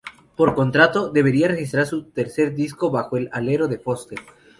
Por contrato, debía registrar su tercer disco bajo el alero de Foster.